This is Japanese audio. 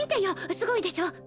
すごいでしょ。